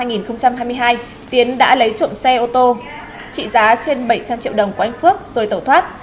ngày một mươi hai tháng bốn năm hai nghìn một mươi năm tiến đã lấy trộm xe ô tô trị giá trên bảy trăm linh triệu đồng của anh phước rồi tẩu thoát